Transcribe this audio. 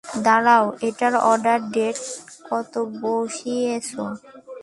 দাঁড়াও, এটার order date কত বসিয়েছ?